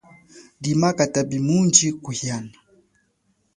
Lima katapi mundji kuhiana.